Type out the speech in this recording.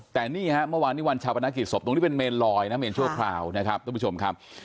แต่นี่ฮะเมื่อวานนี้วันชาปนกิจศพตรงนี้เป็นเมนลอยนะเมนชั่วคราวนะครับทุกผู้ชมครับ